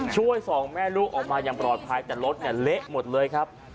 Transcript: สองแม่ลูกออกมาอย่างปลอดภัยแต่รถเนี่ยเละหมดเลยครับ